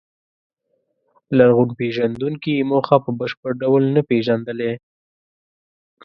لرغونپېژندونکي یې موخه په بشپړ ډول نهشي پېژندلی.